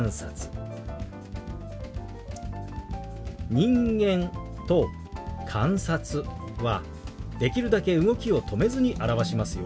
「人間」と「観察」はできるだけ動きを止めずに表しますよ。